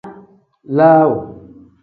Laaw.